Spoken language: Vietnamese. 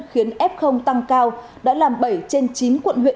khiến f tăng cao đã làm bảy trên chín quận huyện